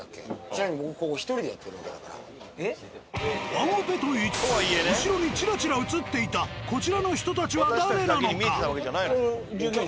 ワンオペと言いつつ後ろにちらちら映っていたこちらの人たちは誰なのか？